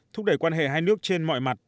thúc đẩy quan hệ hai nước trên mọi mặt